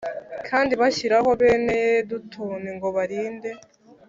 Kandi bashyiraho bene yedutuni ngo barinde